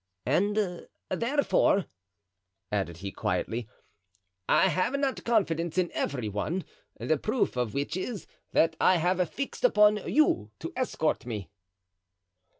"And therefore," added he, quietly, "I have not confidence in every one; the proof of which is, that I have fixed upon you to escort me."